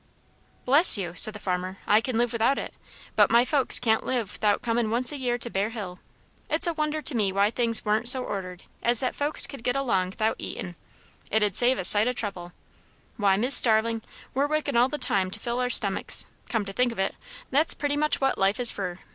"Bless you!" said the farmer, "I kin live without it; but my folks can't live 'thout comin' once a year to Bear Hill. It is a wonder to me why things warn't so ordered as that folks could get along 'thout eatin'. It'd save a sight o' trouble. Why, Mis' Starlin', we're workin' all the time to fill our stomachs; come to think of it, that's pretty much what life is fur.